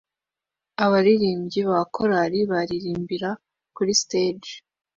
Abaririmbyi ba korari baririmbira kuri stage